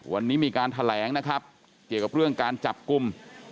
วันนี้มีการแถลงนะครับเกี่ยวกับเรื่องการจับกลุ่ม